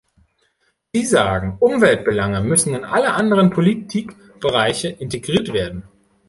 Sie sagen, Umweltbelange müssen in alle anderen Politikbereiche integriert werden.